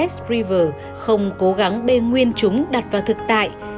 s river không cố gắng bê nguyên chúng đặt vào thực tại